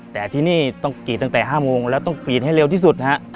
แต่ที่นี่ต้องกรีดตั้งแต่๕โมงแล้วต้องกรีดให้เร็วที่สุดฮะ